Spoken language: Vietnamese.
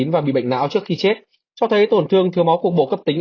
và bị bệnh não trước khi chết cho thấy tổn thương thiếu máu cục bộ cấp tính